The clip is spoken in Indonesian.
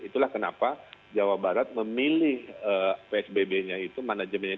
itulah kenapa jawa barat memilih psbb nya itu manajemennya